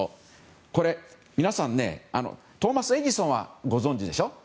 これ、皆さんトーマス・エジソンはご存じでしょう？